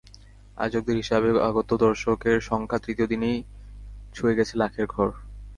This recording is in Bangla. আয়োজকদের হিসাবে আগত দর্শকের সংখ্যা তৃতীয় দিনেই ছুঁয়ে গেছে লাখের ঘর।